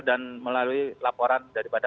dan melalui laporan daripada